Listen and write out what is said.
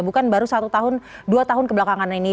bukan baru satu tahun dua tahun kebelakangan ini